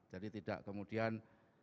jadi tidak kemudian